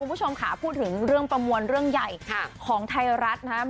คุณผู้ชมค่ะพูดถึงเรื่องประมวลเรื่องใหญ่ของไทยรัฐนะครับ